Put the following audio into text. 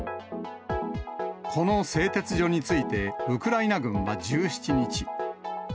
この製鉄所についてウクライナ軍は１７日。